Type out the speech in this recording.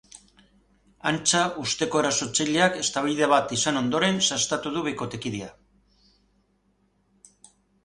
Antza, usteko erasotzaileak eztabaida bat izan ondoren sastatu du bikotekidea.